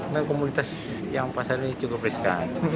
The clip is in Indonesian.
memang komunitas yang pasar ini cukup riskan